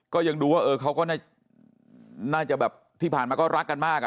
ก็ยังดูว่าเออเขาก็น่าจะแบบที่ผ่านมาก็รักกันมาก